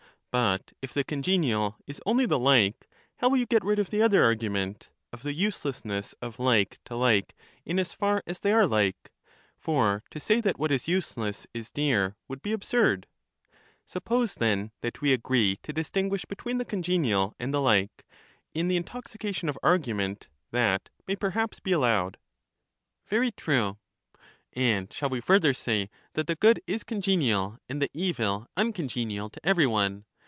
But if the con genial is only the like, how will you get rid of the other argument, of the uselessness of like to like in as far as they are like ; for to say that what is useless is dear, would be absurd? Suppose, then, that we agree to distinguish between the congenial and the like — in the intoxication of argument, that may perhaps be allowed. Very true. And shall we further say that the good is congenial, and the evil uncongenial to every one?